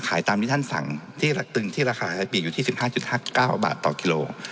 ขายตามที่ท่านสั่งที่จะตึงที่ราคาให้ปีหรือ๑๕๖๙บาทต่อกิโล